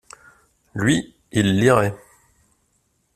Lui, il lirait.